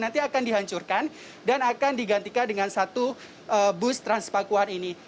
nanti akan dihancurkan dan akan digantikan dengan satu bus transpakuan ini